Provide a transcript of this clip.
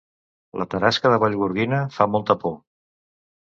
La tarasca de Vallgorguina fa molta por